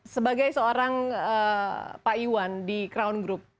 sebagai seorang pak iwan di crown group